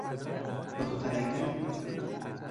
دخترگی